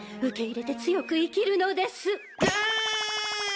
受け入れて強く生きるのです。